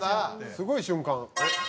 すごい瞬間。